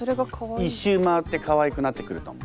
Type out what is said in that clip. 一周回ってかわいくなってくると思う。